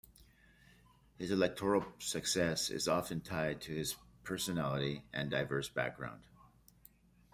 His electoral success is often tied to his personality and diverse background.